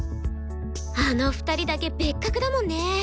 あの２人だけ別格だもんね。